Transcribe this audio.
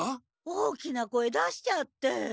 大きな声出しちゃって。